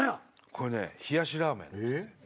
これね冷やしラーメン。